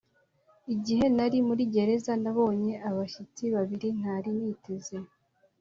Igihe nari muri gereza nabonye abashyitsi babiri ntari niteze